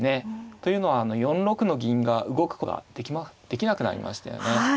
というのは４六の銀が動くことができなくなりましたよね。